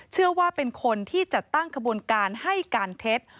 เชื่อว่าเป็นคนที่จัดตั้งขบวนการให้การเท็จ